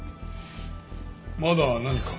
まだ何か？